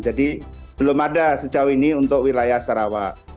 jadi belum ada sejauh ini untuk wilayah sarawak